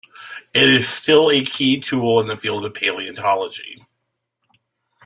It is still a key tool in the field of palaeontology.